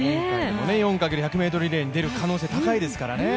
４×１００ｍリレーにも出る可能性がありますからね。